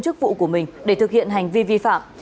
chức vụ của mình để thực hiện hành vi vi phạm